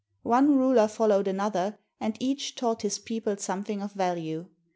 One ruler followed another, and each taught his people something of value.